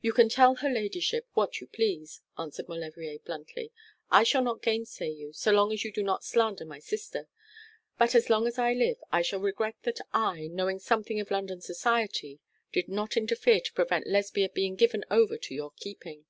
'You can tell her ladyship what you please,' answered Maulevrier, bluntly. 'I shall not gainsay you, so long as you do not slander my sister; but as long as I live I shall regret that I, knowing something of London society, did not interfere to prevent Lesbia being given over to your keeping.'